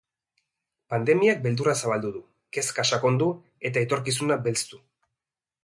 Pandemiak beldurra zabaldu du, kezka sakondu eta etorkizuna belztu.